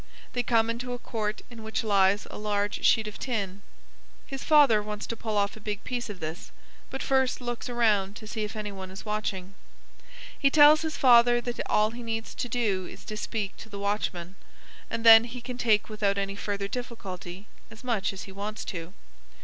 They come into a court in which lies a large sheet of tin. His father wants to pull off a big piece of this, but first looks around to see if any one is watching. He tells his father that all he needs to do is to speak to the watchman, and then he can take without any further difficulty as much as he wants to.